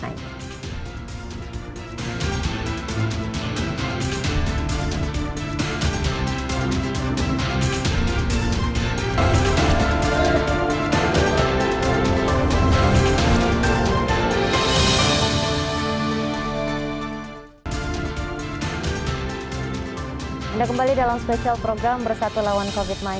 anda kembali dalam spesial program bersatu lawan covid sembilan belas